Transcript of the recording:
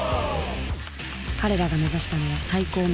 彼らが目指したのは最高のマシン。